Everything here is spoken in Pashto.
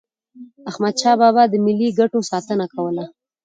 احمدشاه بابا به د ملي ګټو ساتنه کوله.